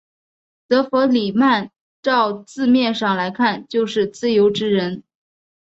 则弗里曼照字面上来看就是自由之人。